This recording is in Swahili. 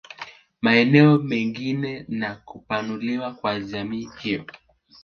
Maeneo mengine na kupanuliwa kwa jamii hiyo